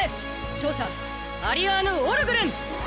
勝者アリアーヌ＝オルグレン！